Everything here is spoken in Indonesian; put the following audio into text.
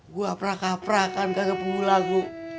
gue praka prakan kagak punggu lagu